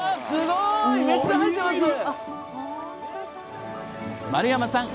すごい！